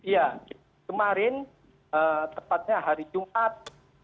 ya kemarin tepatnya hari jumat